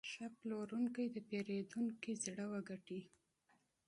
ښه پلورونکی د پیرودونکي زړه وګټي.